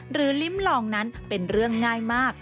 ลิ้มลองนั้นเป็นเรื่องง่ายมาก